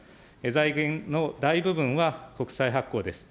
財源の大部分は国債発行です。